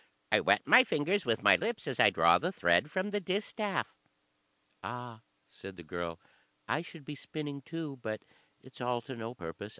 "I wet my fingers with my lips, as I draw the thread from the distaff." "Ah!" said the girl, "I should be spinning too, but it's all to no purpose.